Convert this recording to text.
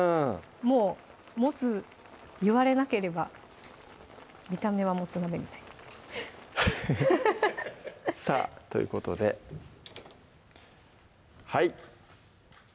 もうもつ言われなければ見た目はもつ鍋みたいなさぁということではい！